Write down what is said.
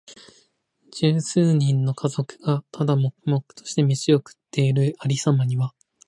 十幾人の家族が、ただ黙々としてめしを食っている有様には、